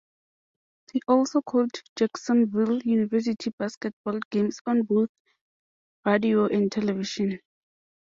He also called Jacksonville University basketball games on both radio and television.